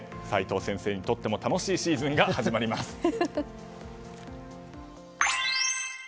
齋藤先生にとっても楽しいシーズンが始まります。